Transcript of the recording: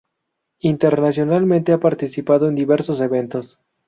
Internacionalmente ha participado en diversos eventos.